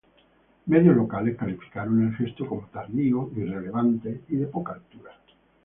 Medios locales calificaron el gesto como "tardío", "irrelevante" y "de poca altura".